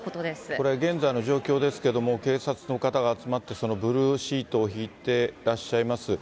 これ、現在の状況ですけれども、警察の方が集まって、ブルーシートを敷いてらっしゃいます。